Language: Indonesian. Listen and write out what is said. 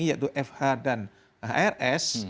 yaitu fh dan hrs